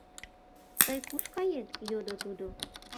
— Тый куш кает? — йодо тудо.